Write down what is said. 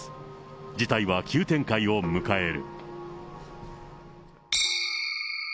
事態は急展開を迎える。